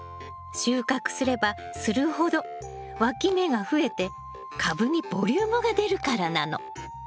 収穫すればするほどわき芽が増えて株にボリュームが出るからなの。